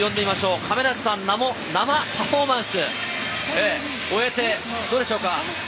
か、亀梨さん、生パフォーマンスを終えてどうでしょうか？